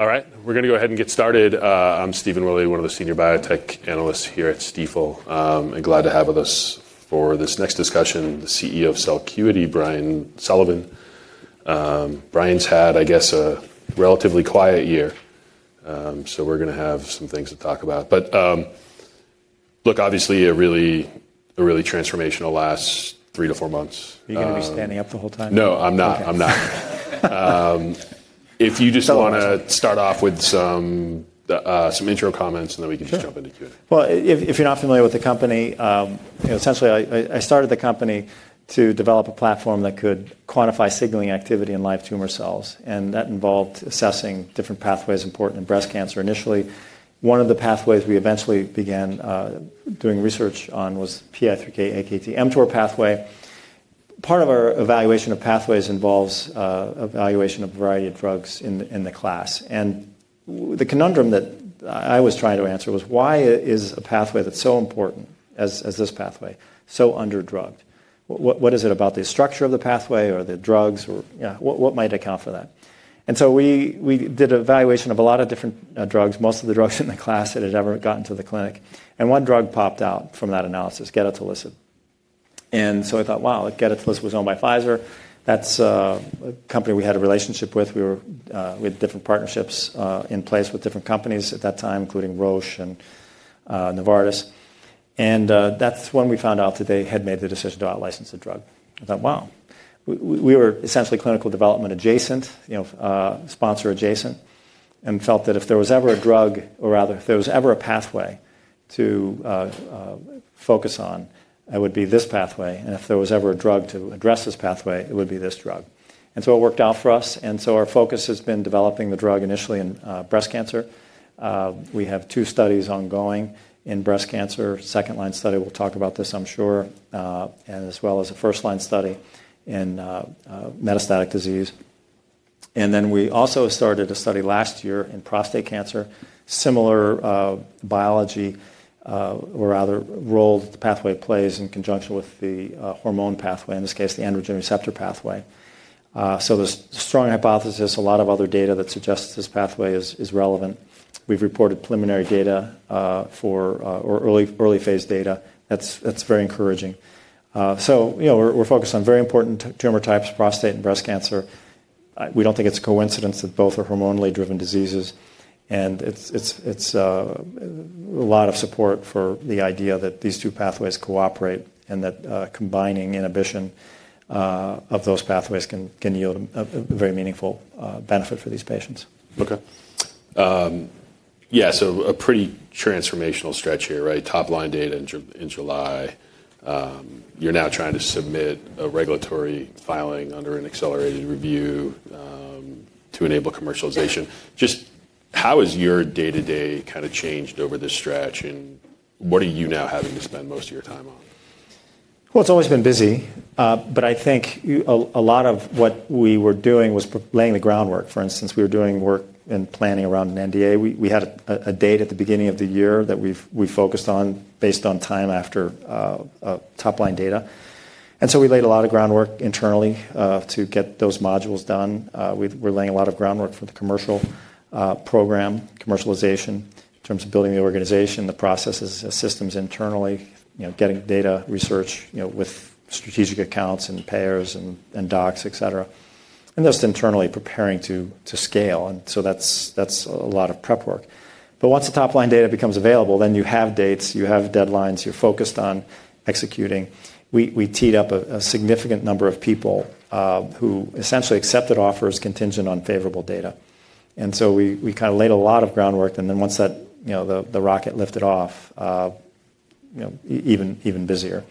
All right, we're going to go ahead and get started. I'm Stephen Willey, one of the senior biotech analysts here at Stifel. I'm glad to have with us for this next discussion the CEO of Celcuity, Brian Sullivan. Brian's had, I guess, a relatively quiet year, so we're going to have some things to talk about. Obviously a really transformational last three to four months. Are you going to be standing up the whole time? No, I'm not. If you just want to start off with some intro comments, and then we can just jump into Q&A. If you're not familiar with the company, essentially I started the company to develop a platform that could quantify signaling activity in live tumor cells. That involved assessing different pathways important in breast cancer. Initially, one of the pathways we eventually began doing research on was the PI3K/AKT/mTOR pathway. Part of our evaluation of pathways involves evaluation of a variety of drugs in the class. The conundrum that I was trying to answer was, why is a pathway that's so important as this pathway so under-drugged? What is it about the structure of the pathway or the drugs? What might account for that? We did an evaluation of a lot of different drugs, most of the drugs in the class that had ever gotten to the clinic. One drug popped out from that analysis, gedatolisib. I thought, wow, gedatolisib was owned by Pfizer. That's a company we had a relationship with. We had different partnerships in place with different companies at that time, including Roche and Novartis. That is when we found out that they had made the decision to out-license the drug. I thought, wow. We were essentially clinical development adjacent, sponsor adjacent, and felt that if there was ever a drug, or rather if there was ever a pathway to focus on, it would be this pathway. If there was ever a drug to address this pathway, it would be this drug. It worked out for us. Our focus has been developing the drug initially in breast cancer. We have two studies ongoing in breast cancer, a second-line study. We will talk about this, I am sure, as well as a first-line study in meta static disease. We also started a study last year in prostate cancer, similar biology, or rather role the pathway plays in conjunction with the hormone pathway, in this case, the androgen receptor pathway. There is a strong hypothesis, a lot of other data that suggests this pathway is relevant. We've reported preliminary data for early phase data. That's very encouraging. We're focused on very important tumor types, prostate and breast cancer. We don't think it's a coincidence that both are hormonally driven diseases. There is a lot of support for the idea that these two pathways cooperate and that combining inhibition of those pathways can yield a very meaningful benefit for these patients. OK. Yeah, so a pretty transformational stretch here, right? Top-line data in July. You're now trying to submit a regulatory filing under an accelerated review to enable commercialization. Just how has your day-to-day kind of changed over this stretch? What are you now having to spend most of your time on? It has always been busy. I think a lot of what we were doing was laying the groundwork. For instance, we were doing work and planning around an NDA. We had a date at the beginning of the year that we focused on based on time after top-line data. We laid a lot of groundwork internally to get those modules done. We are laying a lot of groundwork for the commercial program, commercialization, in terms of building the organization, the processes, the systems internally, getting data research with strategic accounts and payers and docs, et cetera. Just internally preparing to scale. That is a lot of prep work. Once the top-line data becomes available, you have dates, you have deadlines, you are focused on executing. We teed up a significant number of people who essentially accepted offers contingent on favorable data. We kind of laid a lot of groundwork. Once the rocket lifted off, even busier.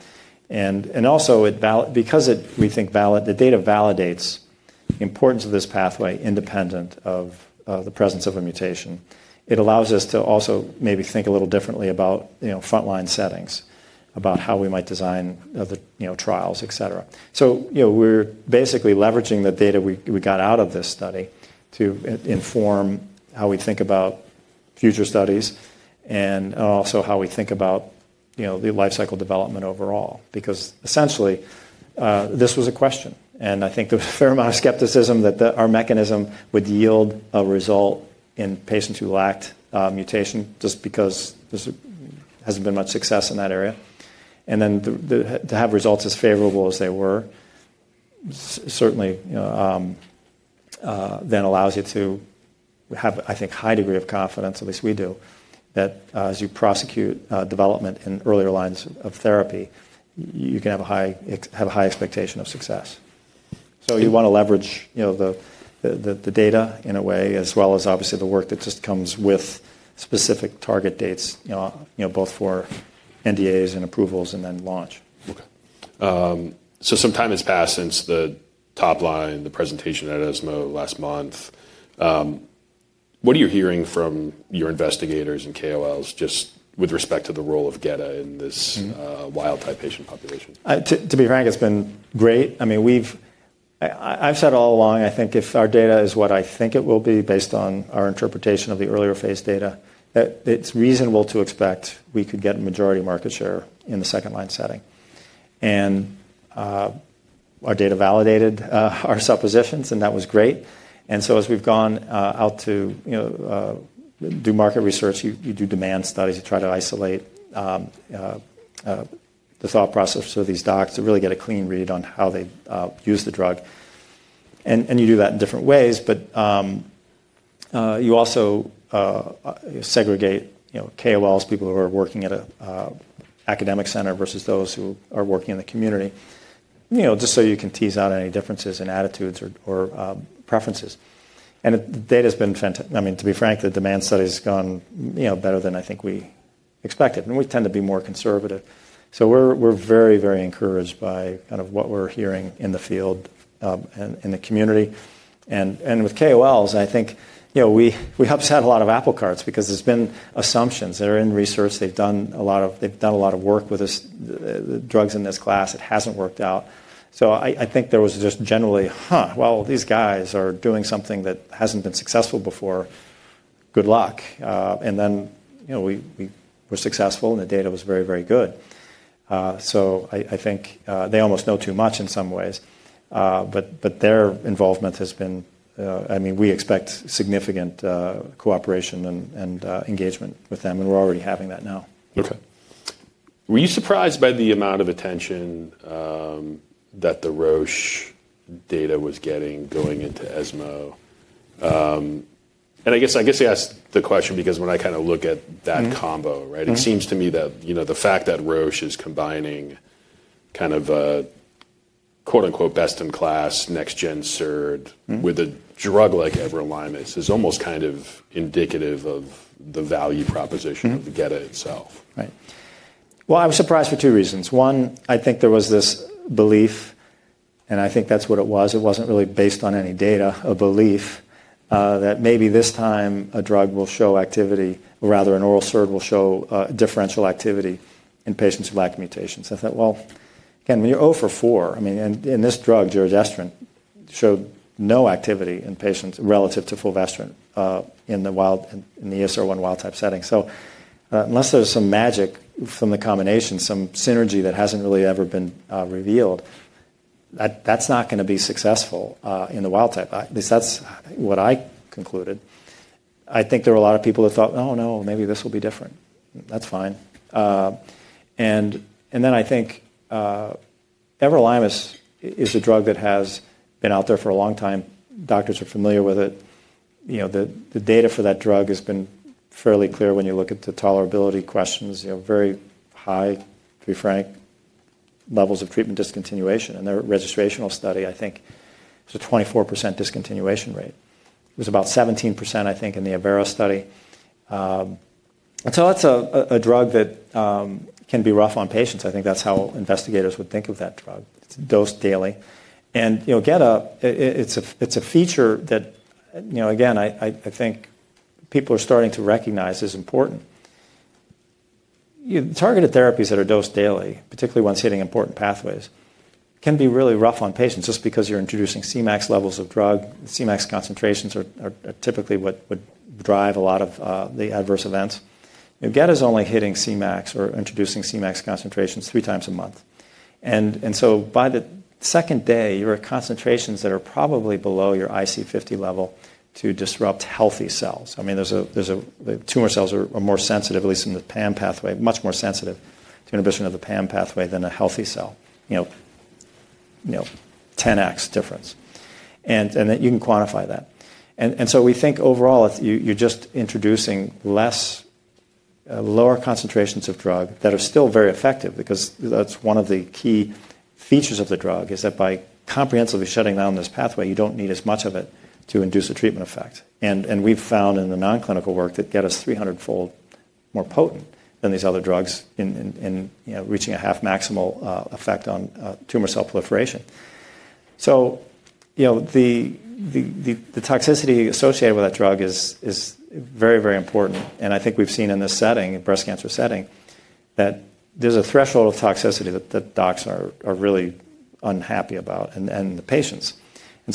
Also, because we think the data validates the importance of this pathway independent of the presence of a mutation, it allows us to also maybe think a little differently about front-line settings, about how we might design the trials, et cetera. We are basically leveraging the data we got out of this study to inform how we think about future studies and also how we think about the life cycle development overall. Essentially, this was a question. I think there was a fair amount of skepticism that our mechanism would yield a result in patients who lacked mutation just because there has not been much success in that area. To have results as favorable as they were certainly then allows you to have, I think, a high degree of confidence, at least we do, that as you prosecute development in earlier lines of therapy, you can have a high expectation of success. You want to leverage the data in a way, as well as obviously the work that just comes with specific target dates, both for NDAs and approvals and then launch. OK. Some time has passed since the top-line, the presentation at ESMO last month. What are you hearing from your investigators and KOLs just with respect to the role of gedatolisib in this wild-type patient population? To be frank, it's been great. I mean, I've said all along, I think if our data is what I think it will be based on our interpretation of the earlier phase data, it's reasonable to expect we could get a majority market share in the second-line setting. Our data validated our suppositions, and that was great. As we've gone out to do market research, you do demand studies. You try to isolate the thought process of these docs to really get a clean read on how they use the drug. You do that in different ways. You also segregate KOLs, people who are working at an academic center versus those who are working in the community, just so you can tease out any differences in attitudes or preferences. The data has been—I mean, to be frank, the demand study has gone better than I think we expected. We tend to be more conservative. We are very, very encouraged by kind of what we are hearing in the field and in the community. With KOLs, I think we helped set a lot of apple carts because there have been assumptions that are in research. They have done a lot of work with drugs in this class. It has not worked out. I think there was just generally, huh, well, these guys are doing something that has not been successful before. Good luck. We were successful, and the data was very, very good. I think they almost know too much in some ways. Their involvement has been—I mean, we expect significant cooperation and engagement with them. We are already having that now. OK. Were you surprised by the amount of attention that the Roche data was getting going into ESMO? I guess I asked the question because when I kind of look at that combo, right, it seems to me that the fact that Roche is combining kind of a "best in class," next-gen SERD with a drug like everolimus is almost kind of indicative of the value proposition of the GETA itself. Right. I was surprised for two reasons. One, I think there was this belief, and I think that's what it was. It was not really based on any data, a belief that maybe this time a drug will show activity, or rather an oral SERD will show differential activity in patients who lack mutations. I thought, again, when you are O for four, I mean, and this drug, giredestrant, showed no activity in patients relative to fulvestrant in the ESR1 wild-type setting. Unless there is some magic from the combination, some synergy that has not really ever been revealed, that is not going to be successful in the wild-type. At least that is what I concluded. I think there were a lot of people that thought, oh, no, maybe this will be different. That is fine. I think everolimus is a drug that has been out there for a long time. Doctors are familiar with it. The data for that drug has been fairly clear when you look at the tolerability questions, very high, to be frank, levels of treatment discontinuation. In their registrational study, I think there's a 24% discontinuation rate. It was about 17%, I think, in the Avera study. That is a drug that can be rough on patients. I think that's how investigators would think of that drug, dosed daily. GETA, it's a feature that, again, I think people are starting to recognize is important. Targeted therapies that are dosed daily, particularly ones hitting important pathways, can be really rough on patients just because you're introducing Cmax levels of drug. Cmax concentrations are typically what would drive a lot of the adverse events. GETA is only hitting Cmax or introducing Cmax concentrations three times a month. By the second day, you're at concentrations that are probably below your IC50 level to disrupt healthy cells. I mean, the tumor cells are more sensitive, at least in the PAM pathway, much more sensitive to inhibition of the PAM pathway than a healthy cell, 10x difference. You can quantify that. We think overall, you're just introducing lower concentrations of drug that are still very effective because that's one of the key features of the drug, is that by comprehensively shutting down this pathway, you don't need as much of it to induce a treatment effect. We've found in the non-clinical work that gedatolisib is 300-fold more potent than these other drugs in reaching a half-maximal effect on tumor cell proliferation. The toxicity associated with that drug is very, very important. I think we've seen in this setting, breast cancer setting, that there's a threshold of toxicity that docs are really unhappy about and the patients.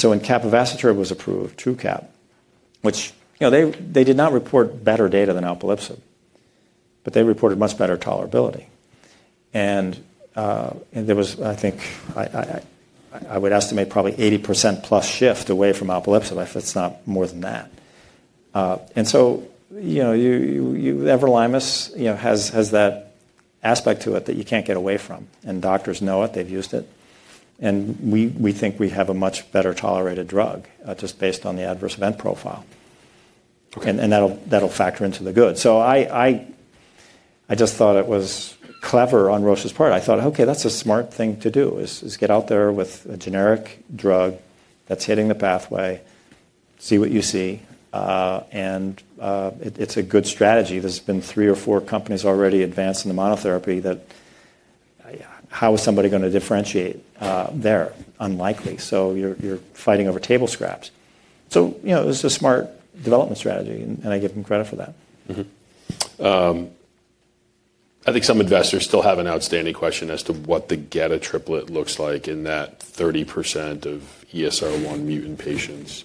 When Capivasertib was approved, Truqap, which they did not report better data than alpelisib, but they reported much better tolerability. There was, I think, I would estimate probably 80%+ shift away from alpelisib, if it's not more than that. Everolimus has that aspect to it that you can't get away from. Doctors know it. They've used it. We think we have a much better tolerated drug just based on the adverse event profile. That'll factor into the good. I just thought it was clever on Roche's part. I thought, OK, that's a smart thing to do, is get out there with a generic drug that's hitting the pathway, see what you see. It is a good strategy. There have been three or four companies already advanced in the monotherapy that how is somebody going to differentiate there? Unlikely. You are fighting over table scraps. It was a smart development strategy. I give them credit for that. I think some investors still have an outstanding question as to what the GETA triplet looks like in that 30% of ESR1 mutant patients.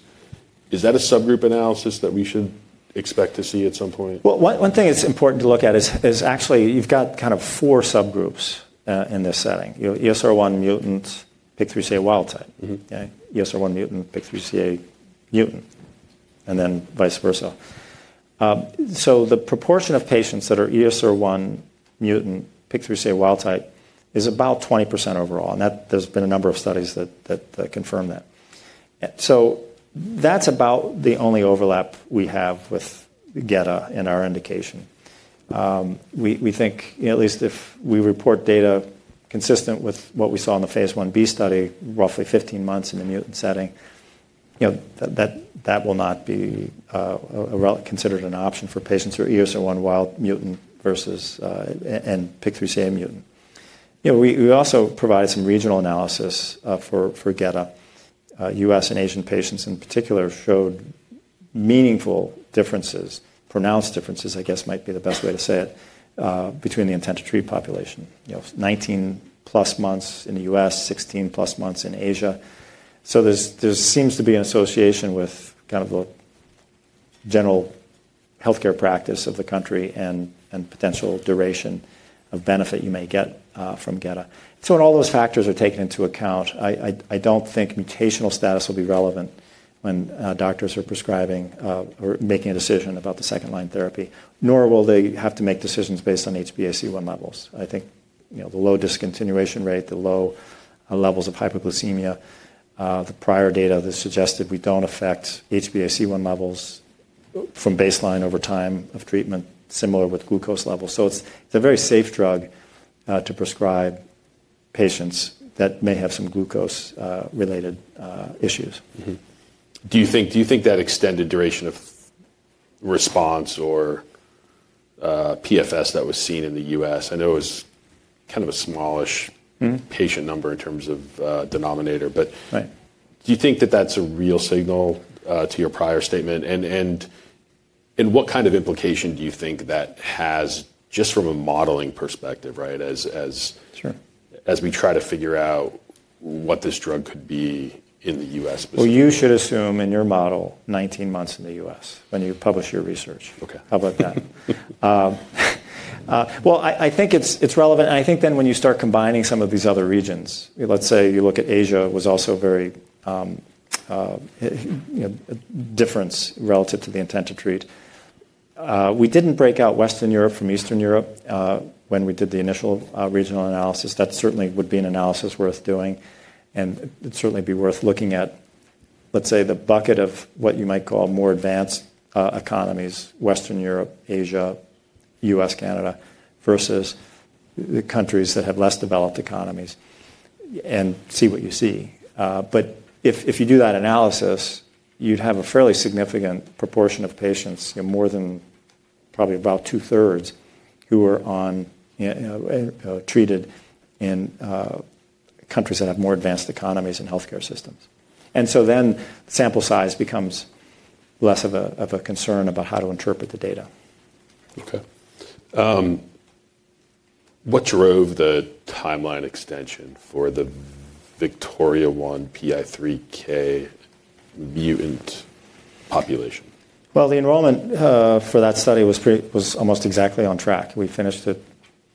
Is that a subgroup analysis that we should expect to see at some point? One thing that's important to look at is actually you've got kind of four subgroups in this setting: ESR1 mutants, PIK3CA wild-type, ESR1 mutant, PIK3CA mutant, and then vice versa. The proportion of patients that are ESR1 mutant, PIK3CA wild-type, is about 20% overall. There's been a number of studies that confirm that. That's about the only overlap we have with gedatolisib in our indication. We think, at least if we report data consistent with what we saw in the phase 1b study, roughly 15 months in the mutant setting, that will not be considered an option for patients who are ESR1 wild-type versus and PIK3CA mutant. We also provide some regional analysis for gedatolisib. US and Asian patients in particular showed meaningful differences, pronounced differences, I guess might be the best way to say it, between the intended treatment population, 19-plus months in the US, 16-plus months in Asia. There seems to be an association with kind of the general health care practice of the country and potential duration of benefit you may get from gedatolisib. When all those factors are taken into account, I don't think mutational status will be relevant when doctors are prescribing or making a decision about the second-line therapy, nor will they have to make decisions based on HbA1c levels. I think the low discontinuation rate, the low levels of hypoglycemia, the prior data that suggested we don't affect HbA1c levels from baseline over time of treatment, similar with glucose levels. It's a very safe drug to prescribe patients that may have some glucose-related issues. Do you think that extended duration of response or PFS that was seen in the US, I know it was kind of a smallish patient number in terms of denominator, but do you think that that's a real signal to your prior statement? What kind of implication do you think that has just from a modeling perspective, right, as we try to figure out what this drug could be in the US? You should assume in your model, 19 months in the US when you publish your research. How about that? I think it's relevant. I think then when you start combining some of these other regions, let's say you look at Asia, it was also very different relative to the intended treat. We didn't break out Western Europe from Eastern Europe when we did the initial regional analysis. That certainly would be an analysis worth doing. It'd certainly be worth looking at, let's say, the bucket of what you might call more advanced economies, Western Europe, Asia, US, Canada, versus the countries that have less developed economies, and see what you see. If you do that analysis, you'd have a fairly significant proportion of patients, more than probably about 2/3, who are treated in countries that have more advanced economies and health care systems. Then sample size becomes less of a concern about how to interpret the data. OK. What drove the timeline extension for the Victoria 1 PI3K mutant population? The enrollment for that study was almost exactly on track. We finished it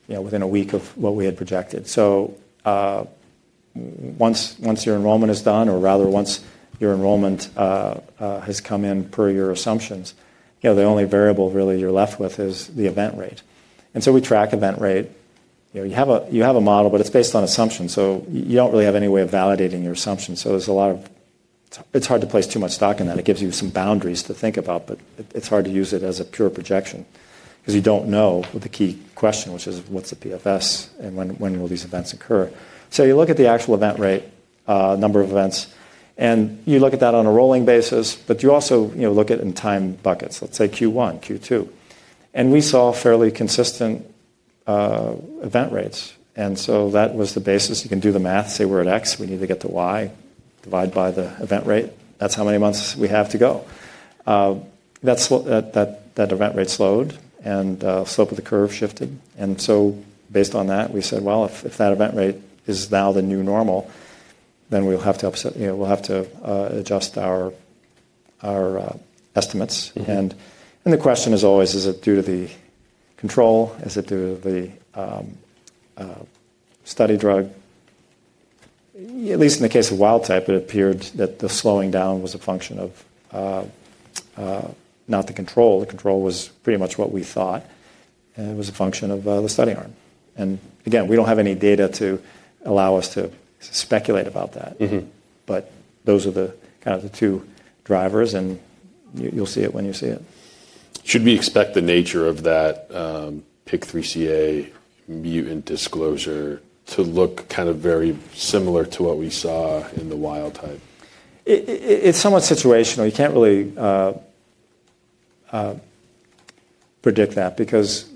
within a week of what we had projected. Once your enrollment is done, or rather once your enrollment has come in per your assumptions, the only variable really you're left with is the event rate. We track event rate. You have a model, but it's based on assumptions. You don't really have any way of validating your assumptions. There's a lot of it's hard to place too much stock in that. It gives you some boundaries to think about, but it's hard to use it as a pure projection because you don't know the key question, which is what's the PFS, and when will these events occur? You look at the actual event rate, number of events, and you look at that on a rolling basis. You also look at it in time buckets, let's say Q1, Q2. We saw fairly consistent event rates. That was the basis. You can do the math. Say we're at x, we need to get to y, divide by the event rate. That's how many months we have to go. That event rate slowed, and the slope of the curve shifted. Based on that, we said, if that event rate is now the new normal, then we'll have to adjust our estimates. The question is always, is it due to the control? Is it due to the study drug? At least in the case of wild-type, it appeared that the slowing down was a function of not the control. The control was pretty much what we thought. It was a function of the study arm. Again, we do not have any data to allow us to speculate about that. Those are kind of the two drivers, and you will see it when you see it. Should we expect the nature of that PIK3CA mutant disclosure to look kind of very similar to what we saw in the wild-type? It's somewhat situational. You can't really predict that because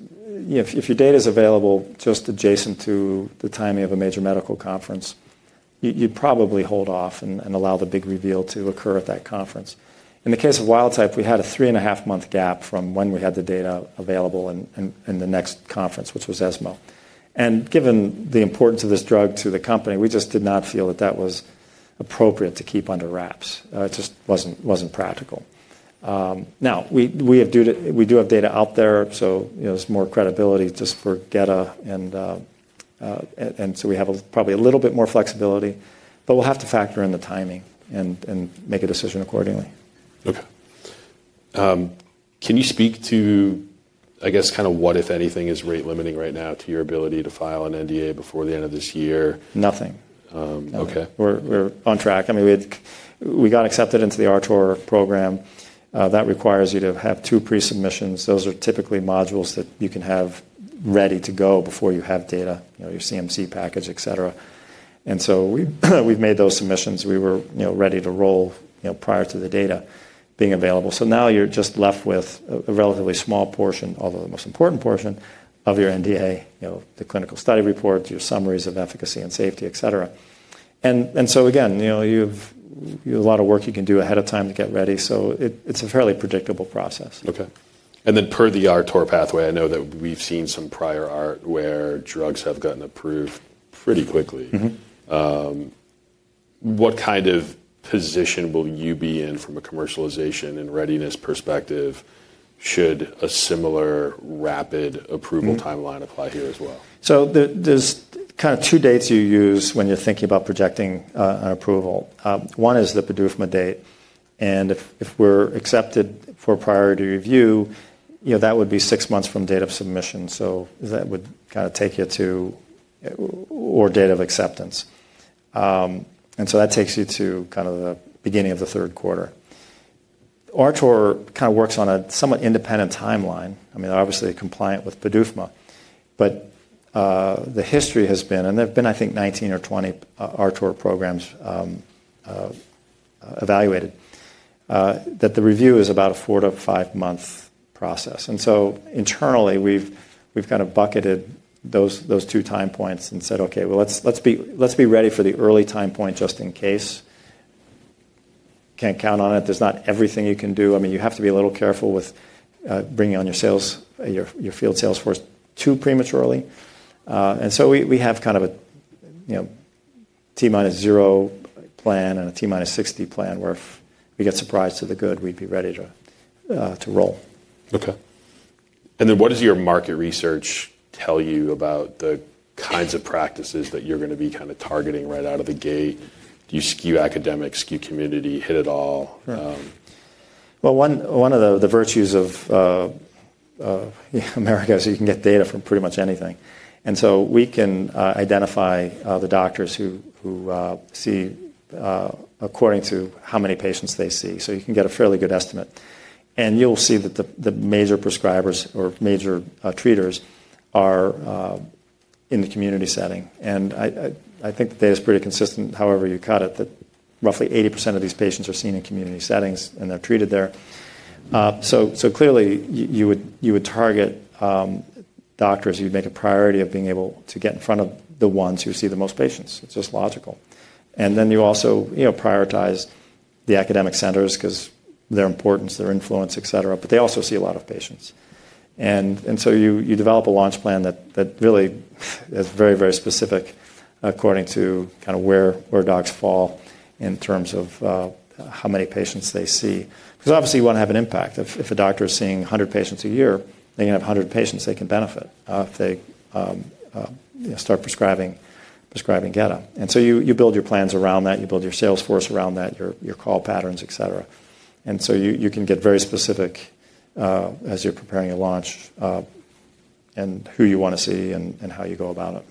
if your data is available just adjacent to the timing of a major medical conference, you'd probably hold off and allow the big reveal to occur at that conference. In the case of wild-type, we had a 3-and-1/2-month gap from when we had the data available and the next conference, which was ESMO. Given the importance of this drug to the company, we just did not feel that that was appropriate to keep under wraps. It just wasn't practical. Now, we do have data out there. There's more credibility just for gedatolisib. We have probably a little bit more flexibility. We'll have to factor in the timing and make a decision accordingly. OK. Can you speak to, I guess, kind of what, if anything, is rate limiting right now to your ability to file an NDA before the end of this year? Nothing. OK. We're on track. I mean, we got accepted into the RTOR program. That requires you to have two pre-submissions. Those are typically modules that you can have ready to go before you have data, your CMC package, et cetera. We’ve made those submissions. We were ready to roll prior to the data being available. Now you're just left with a relatively small portion, although the most important portion, of your NDA, the clinical study reports, your summaries of efficacy and safety, et cetera. You have a lot of work you can do ahead of time to get ready. It’s a fairly predictable process. OK. Per the RTOR pathway, I know that we've seen some prior art where drugs have gotten approved pretty quickly. What kind of position will you be in from a commercialization and readiness perspective should a similar rapid approval timeline apply here as well? There's kind of two dates you use when you're thinking about projecting an approval. One is the PDUFA date. If we're accepted for priority review, that would be six months from date of submission. That would kind of take you to, or date of acceptance. That takes you to kind of the beginning of the third quarter. RTOR kind of works on a somewhat independent timeline. I mean, they're obviously compliant with PDUFA. The history has been, and there have been, I think, 19 or 20 RTOR programs evaluated, that the review is about a four to five-month process. Internally, we've kind of bucketed those two time points and said, OK, let's be ready for the early time point just in case. Can't count on it. There's not everything you can do. I mean, you have to be a little careful with bringing on your field sales force too prematurely. And so we have kind of a T-minus 0 plan and a T-minus 60 plan where if we get surprised to the good, we'd be ready to roll. OK. What does your market research tell you about the kinds of practices that you're going to be kind of targeting right out of the gate? Do you skew academics, skew community, hit it all? One of the virtues of America is you can get data from pretty much anything. You can identify the doctors who see according to how many patients they see. You can get a fairly good estimate. You'll see that the major prescribers or major treaters are in the community setting. I think the data is pretty consistent, however you cut it, that roughly 80% of these patients are seen in community settings, and they're treated there. Clearly, you would target doctors. You'd make a priority of being able to get in front of the ones who see the most patients. It's just logical. You also prioritize the academic centers because of their importance, their influence, et cetera. They also see a lot of patients. You develop a launch plan that really is very, very specific according to kind of where doctors fall in terms of how many patients they see. Because obviously, you want to have an impact. If a doctor is seeing 100 patients a year, they're going to have 100 patients they can benefit if they start prescribing gedatolisib. You build your plans around that. You build your sales force around that, your call patterns, et cetera. You can get very specific as you're preparing your launch and who you want to see and how you go about it.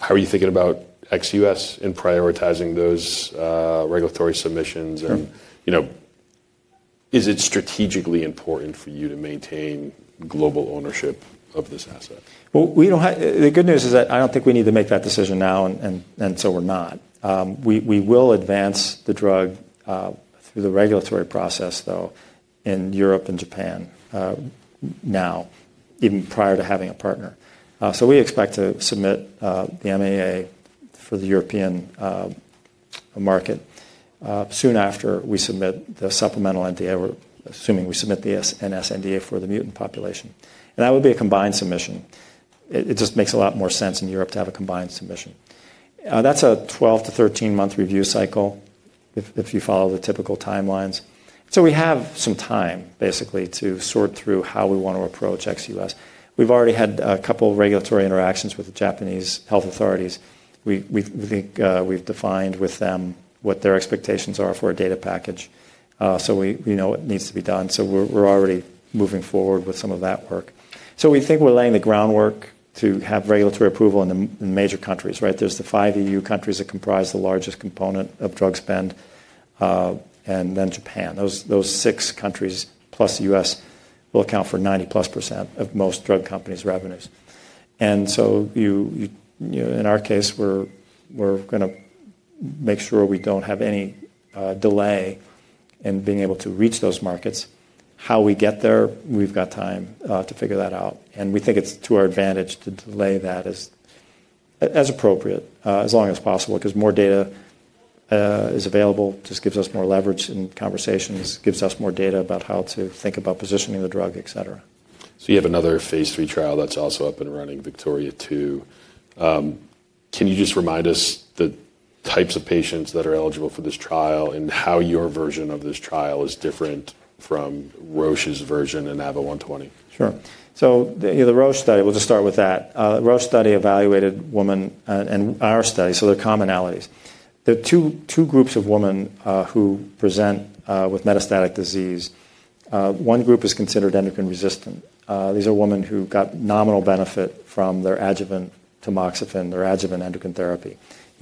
How are you thinking about xUS and prioritizing those regulatory submissions? Is it strategically important for you to maintain global ownership of this asset? I don't think we need to make that decision now, and so we're not. We will advance the drug through the regulatory process, though, in Europe and Japan now, even prior to having a partner. We expect to submit the MAA for the European market soon after we submit the supplemental NDA, or assuming we submit the NS NDA for the mutant population. That would be a combined submission. It just makes a lot more sense in Europe to have a combined submission. That is a 12-13 month review cycle if you follow the typical timelines. We have some time, basically, to sort through how we want to approach xUS. We've already had a couple of regulatory interactions with the Japanese health authorities. We think we've defined with them what their expectations are for a data package. We know what needs to be done. We're already moving forward with some of that work. We think we're laying the groundwork to have regulatory approval in the major countries, right? There's the five EU countries that comprise the largest component of drug spend, and then Japan. Those six countries, plus the US, will account for 90+% of most drug companies' revenues. In our case, we're going to make sure we don't have any delay in being able to reach those markets. How we get there, we've got time to figure that out. We think it's to our advantage to delay that as appropriate as long as possible because more data is available, just gives us more leverage in conversations, gives us more data about how to think about positioning the drug, et cetera. You have another phase three trial that's also up and running, Victoria 2. Can you just remind us the types of patients that are eligible for this trial and how your version of this trial is different from Roche's version and ABO-120? Sure. The Roche study, we'll just start with that. The Roche study evaluated women and our study, so there are commonalities. There are two groups of women who present with metastatic disease. One group is considered endocrine resistant. These are women who got nominal benefit from their adjuvant tamoxifen, their adjuvant endocrine therapy.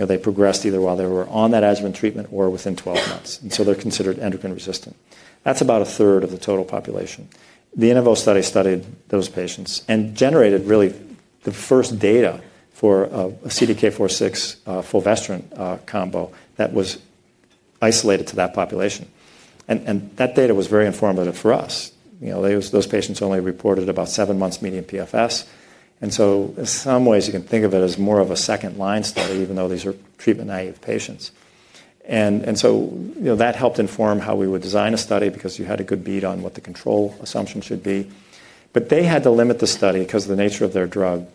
They progressed either while they were on that adjuvant treatment or within 12 months. They are considered endocrine resistant. That's about a third of the total population. The NAVO study studied those patients and generated really the first data for a CDK4/6 fulvestrant combo that was isolated to that population. That data was very informative for us. Those patients only reported about seven months median PFS. In some ways, you can think of it as more of a second-line study, even though these are treatment-naive patients. That helped inform how we would design a study because you had a good bead on what the control assumption should be. They had to limit the study because of the nature of their drug.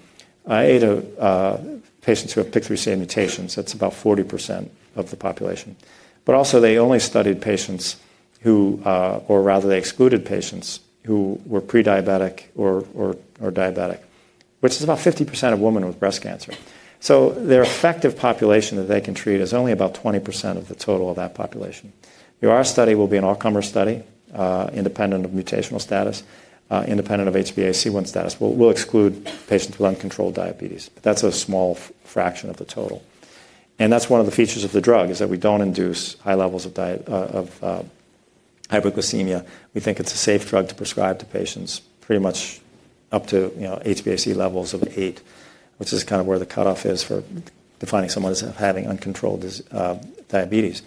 In patients who have PIK3CA mutations, that's about 40% of the population. They only studied patients who, or rather, they excluded patients who were pre-diabetic or diabetic, which is about 50% of women with breast cancer. Their effective population that they can treat is only about 20% of the total of that population. Our study will be an all-comer study, independent of mutational status, independent of HbA1c status. We'll exclude patients with uncontrolled diabetes. That's a small fraction of the total. One of the features of the drug is that we don't induce high levels of hyperglycemia. We think it's a safe drug to prescribe to patients pretty much up to HbA1c levels of 8, which is kind of where the cutoff is for defining someone as having uncontrolled diabetes.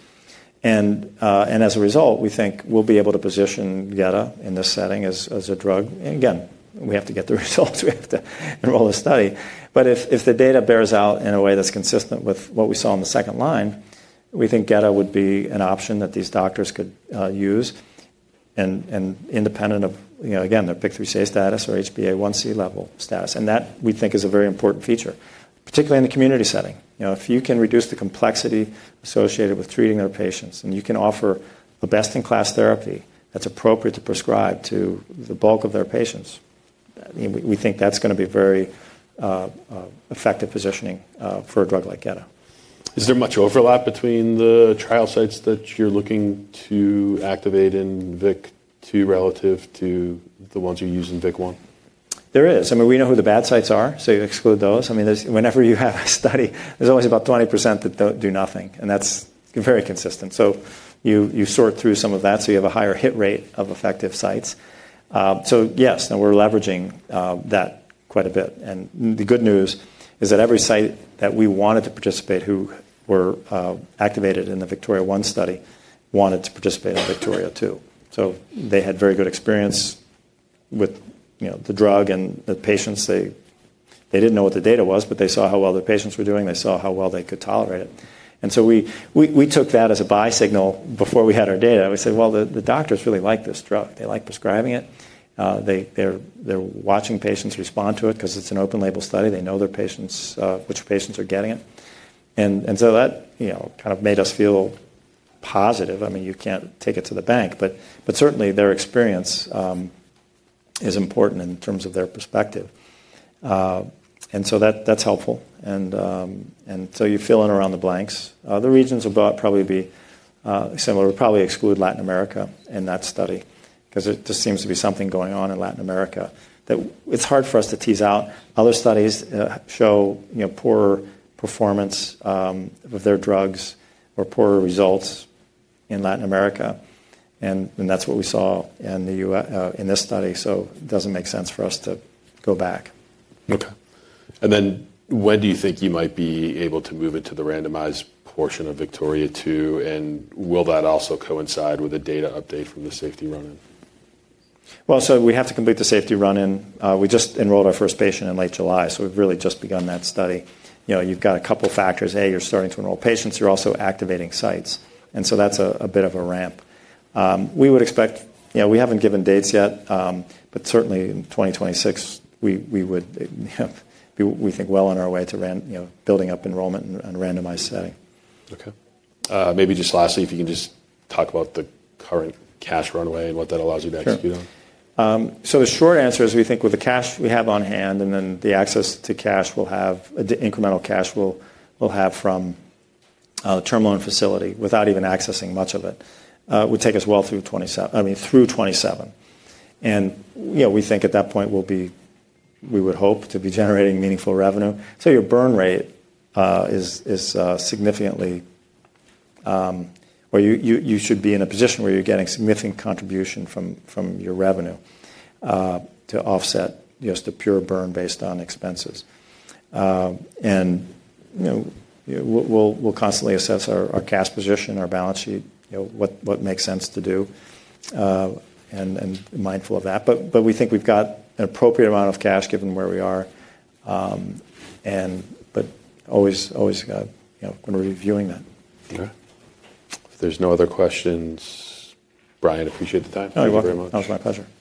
As a result, we think we'll be able to position gedatolisib in this setting as a drug. Again, we have to get the results. We have to enroll the study. If the data bears out in a way that's consistent with what we saw in the second line, we think gedatolisib would be an option that these doctors could use. Independent of, again, their PIK3CA status or HbA1c level status. That, we think, is a very important feature, particularly in the community setting. If you can reduce the complexity associated with treating their patients, and you can offer the best-in-class therapy that's appropriate to prescribe to the bulk of their patients, we think that's going to be very effective positioning for a drug like gedatolisib. Is there much overlap between the trial sites that you're looking to activate in Victoria 2 relative to the ones you use in Victoria 1? There is. I mean, we know who the bad sites are, so you exclude those. I mean, whenever you have a study, there's always about 20% that don't do nothing. That is very consistent. You sort through some of that, so you have a higher hit rate of effective sites. Yes, and we're leveraging that quite a bit. The good news is that every site that we wanted to participate who were activated in the Victoria 1 study wanted to participate in Victoria 2. They had very good experience with the drug and the patients. They did not know what the data was, but they saw how well their patients were doing. They saw how well they could tolerate it. We took that as a bi-signal before we had our data. We said the doctors really like this drug. They like prescribing it. They're watching patients respond to it because it's an open-label study. They know which patients are getting it. That kind of made us feel positive. I mean, you can't take it to the bank. Certainly, their experience is important in terms of their perspective. That’s helpful. You fill in around the blanks. The regions will probably be similar. We'll probably exclude Latin America in that study because there just seems to be something going on in Latin America that it's hard for us to tease out. Other studies show poor performance of their drugs or poorer results in Latin America. That's what we saw in this study. It doesn't make sense for us to go back. OK. When do you think you might be able to move into the randomized portion of Victoria 2? Will that also coincide with a data update from the safety run-in? We have to complete the safety run-in. We just enrolled our first patient in late July. We have really just begun that study. You have got a couple of factors. A, you are starting to enroll patients. You are also activating sites. That is a bit of a ramp. We would expect we have not given dates yet. Certainly, in 2026, we would be well on our way to building up enrollment in a randomized setting. OK. Maybe just lastly, if you can just talk about the current cash runway and what that allows you to execute on. The short answer is we think with the cash we have on hand and then the access to cash we'll have, the incremental cash we'll have from the term loan facility without even accessing much of it would take us well through 2027. I mean, through 2027. We think at that point we would hope to be generating meaningful revenue. Your burn rate is significantly where you should be in a position where you're getting significant contribution from your revenue to offset just the pure burn based on expenses. We'll constantly assess our cash position, our balance sheet, what makes sense to do, and mindful of that. We think we've got an appropriate amount of cash given where we are. Always when we're reviewing that. OK. If there's no other questions, Brian, I appreciate the time. Oh, you're welcome. That was my pleasure. Great.